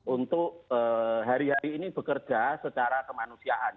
untuk hari hari ini bekerja secara kemanusiaan